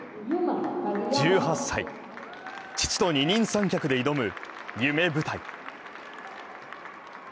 １８歳、父と二人三脚で挑む夢舞台。